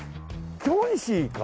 キョンシーか？